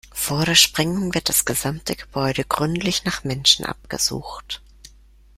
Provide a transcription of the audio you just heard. Vor der Sprengung wird das gesamte Gebäude gründlich nach Menschen abgesucht.